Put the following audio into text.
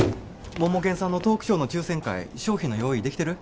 モモケンさんのトークショーの抽選会賞品の用意できてる？